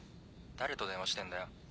誰と電話してんだよ。